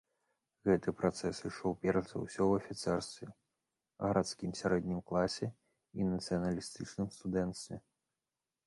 Гэты працэс ішоў перш за ўсё ў афіцэрстве, гарадскім сярэднім класе і нацыяналістычным студэнцтве.